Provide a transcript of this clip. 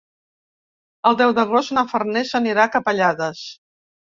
El deu d'agost na Farners anirà a Capellades.